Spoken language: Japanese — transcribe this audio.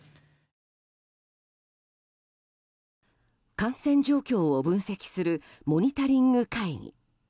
感染状況を分析するモニタリング会議。